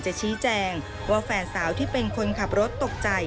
ชี้แจงว่าแฟนสาวที่เป็นคนขับรถตกใจ